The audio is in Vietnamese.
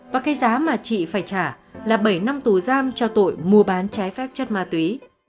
và cái giá mà chị phải trả là bảy năm tù giam cho tội mua bán trái phép chất ma túy